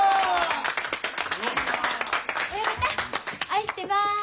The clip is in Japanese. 親方愛してます。